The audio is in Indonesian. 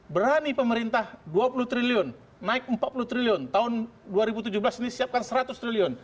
berani pemerintah dua puluh triliun naik empat puluh triliun tahun dua ribu tujuh belas ini siapkan seratus triliun